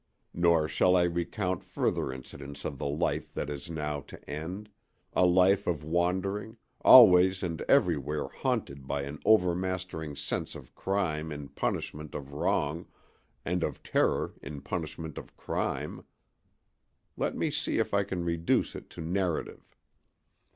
Nor shall I recount further incidents of the life that is now to end—a life of wandering, always and everywhere haunted by an overmastering sense of crime in punishment of wrong and of terror in punishment of crime. Let me see if I can reduce it to narrative.